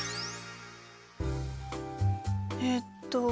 えっと